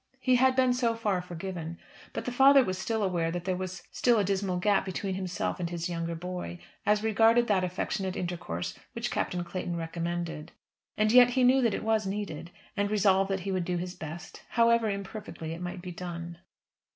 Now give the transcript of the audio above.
He had been so far forgiven; but the father was still aware that there was still a dismal gap between himself and his younger boy, as regarded that affectionate intercourse which Captain Clayton recommended. And yet he knew that it was needed, and resolved that he would do his best, however imperfectly it might be done.